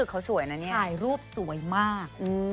เขาสวยนะเนี่ยถ่ายรูปสวยมาก